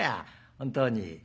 本当に。